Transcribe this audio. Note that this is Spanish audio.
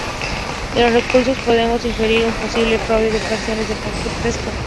De los resultados podemos inferir un posible fraude en las acciones de Jacques Fresco.